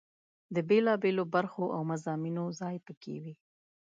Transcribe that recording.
د بېلا بېلو برخو او مضامینو ځای په کې وي.